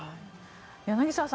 柳澤さん